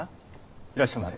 いらっしゃいませ。